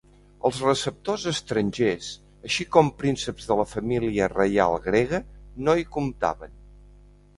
Els receptors estrangers, així com prínceps de la família reial grega no hi comptaven.